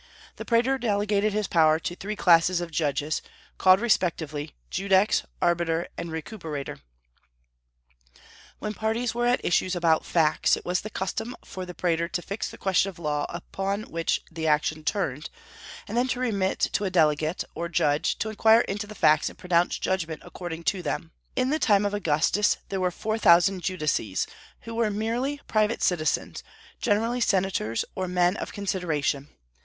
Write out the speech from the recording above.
The praetor delegated his power to three classes of judges, called respectively judex, arbiter, and recuperator. When parties were at issue about facts, it was the custom for the praetor to fix the question of law upon which the action turned, and then to remit to a delegate, or judge, to inquire into the facts and pronounce judgment according to them. In the time of Augustus there were four thousand judices, who were merely private citizens, generally senators or men of consideration.